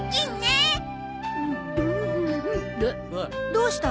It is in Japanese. どうした？